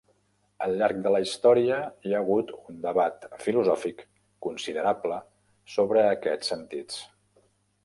Al llarg de la història, hi ha hagut un debat filosòfic considerable sobre aquests sentits.